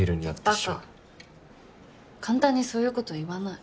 簡単にそういうこと言わない。